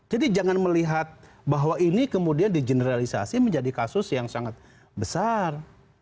jadi jangan melihat bahwa ini kemudian di generalisasi menjadi kasus yang sangat besar